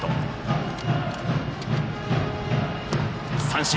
三振。